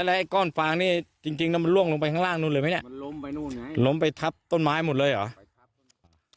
อ๋อและก้อนฟางนี้จริงแหลมล่วงไปข้างล่างมันลำไปทับต้นไม้มุ่นเลยเหรอ